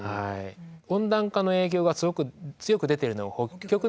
温暖化の影響がすごく強く出ているのは北極の方で。